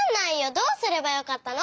どうすればよかったの？